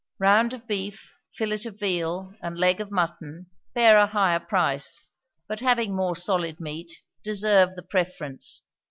Round of beef, fillet of veal, and leg of mutton, bear a higher price; but having more solid meat, deserve the preference.